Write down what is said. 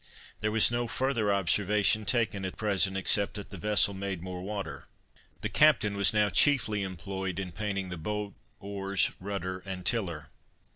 There was no further observation taken at present, except that the vessel made more water. The captain was now chiefly employed in painting the boat, oars, rudder and tiller.